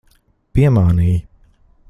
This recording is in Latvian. Piemānīji.